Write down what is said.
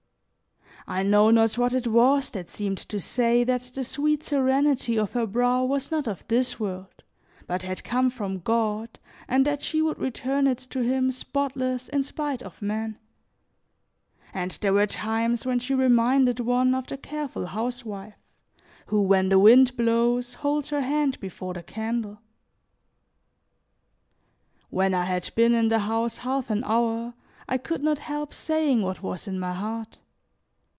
I know not what it was that seemed to say that the sweet serenity of her brow was not of this world, but had come from God, and that she would return it to him spotless in spite of man; and there were times when she reminded one of the careful housewife, who, when the wind blows, holds her hand before the candle. When I had been in the house half an hour, I could not help saying what was in my heart.